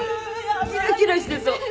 キラキラしてそう。